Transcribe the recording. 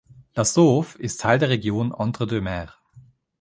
La Sauve ist Teil der Region Entre-Deux-Mers.